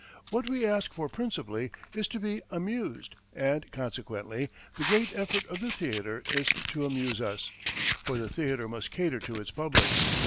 What we ask for principally is to be amused, and consequently the great effort of the theatre is to amuse us, for the theatre must cater to its public.